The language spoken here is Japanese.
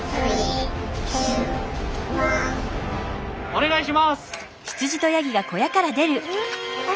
お願いします！